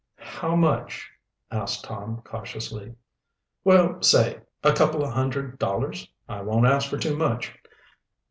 "How much?" asked Tom cautiously. "Well, say a couple of hundred dollars. I won't ask for too much."